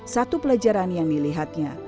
satu pelajaran yang dilihatnya